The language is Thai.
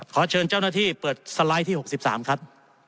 ขอเชิญเจ้าหน้าที่เปิดสไลด์ที่๖๓ครับ